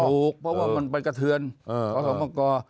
ถูกเพราะว่ามันไปกระเทือนขอสมกร